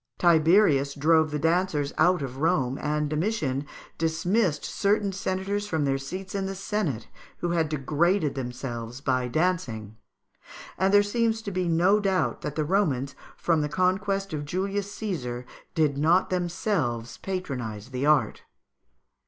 Tiberius drove the dancers out of Rome, and Domitian dismissed certain senators from their seats in the senate who had degraded themselves by dancing; and there seems to be no doubt that the Romans, from the conquest of Julius Caesar, did not themselves patronise the art.